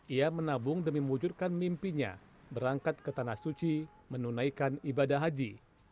ia menabung demi mewujudkan mimpinya berangkat ke tanah suci menunaikan ibadah haji